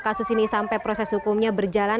kasus ini sampai proses hukumnya berjalan